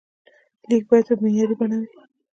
لیک باید په معیاري بڼه وي.